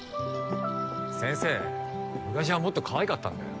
先生昔はもっとかわいかったんだよ。